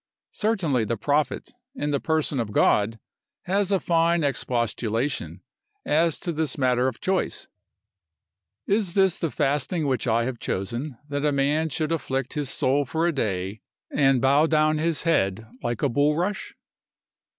Certainly the prophet, in the person of God, has a fine expostulation, as to this matter of choice: "Is this the fasting which I have chosen, that a man should afflict his soul for a day, and bow down his head like a bulrush?"